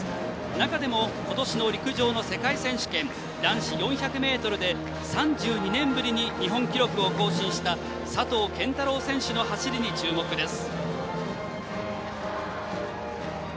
中でも、今年の陸上の世界選手権男子４００ｍで３２年ぶりに日本記録を更新した佐藤拳太郎選手の走りに注目です。